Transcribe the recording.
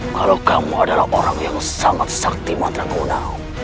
kalau kamu adalah orang yang sangat sakti matang guna